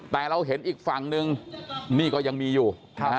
แต่เราเห็นอีกฝั่งนึงนี่ก็ยังมีอยู่